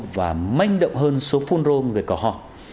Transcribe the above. và manh đậu hơn số phun rô người cờ hò